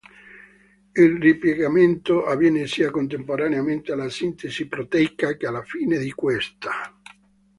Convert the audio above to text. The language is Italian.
Il ripiegamento avviene sia contemporaneamente alla sintesi proteica che alla fine di questa.